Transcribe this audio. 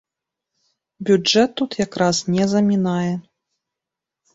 Бюджэт тут як раз не замінае.